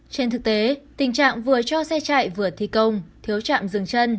trên thực tế tình trạng vừa cho xe chạy vừa thi công thiếu trạm dừng chân